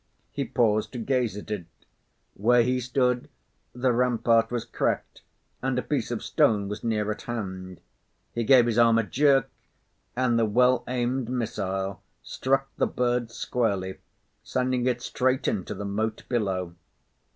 He paused to gaze at it; where he stood the rampart was cracked and a piece of stone was near at hand; he gave his arm a jerk and the well aimed missile struck the bird squarely, sending it straight into the moat below.